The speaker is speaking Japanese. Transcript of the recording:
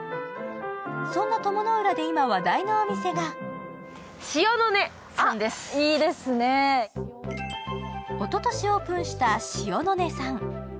そんな鞆の浦で今、話題のお店がおととしオープンした汐ノ音さん。